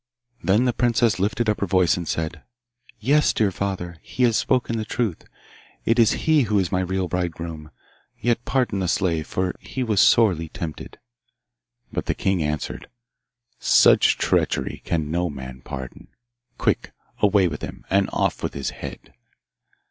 Then the princess lifted up her voice and said, 'Yes, dear father, he has spoken the truth, and it is he who is my real bridegroom. Yet pardon the slave, for he was sorely tempted.' But the king answered, 'Such treachery can no man pardon. Quick, away with him, and off with his head!